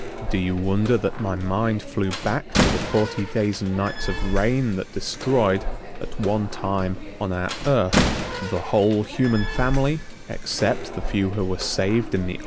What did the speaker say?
Do you wonder that my mind flew back to the forty days and nights of rain that destroyed, at one time, on our Earth, the whole human family, except the few who were saved in the ark?